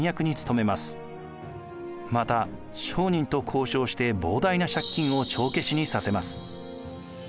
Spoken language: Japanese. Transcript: また商人と交渉して膨大な借金を帳消しにさせます。